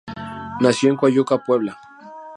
Nació en Coyuca, Puebla.